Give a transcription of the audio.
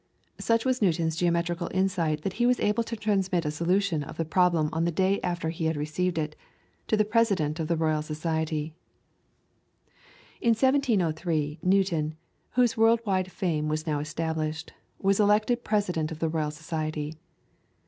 Such was Newton's geometrical insight that he was able to transmit a solution of the problem on the day after he had received it, to the President of the Royal Society. In 1703 Newton, whose world wide fame was now established, was elected President of the Royal Society.